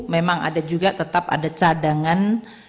memang ada juga tetap ada cadangan